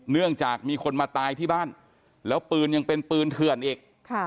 เนื่องจากมีคนมาตายที่บ้านแล้วปืนยังเป็นปืนเถื่อนอีก